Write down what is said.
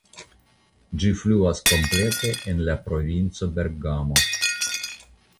Ĝi fluas komplete en la provinco Bergamo.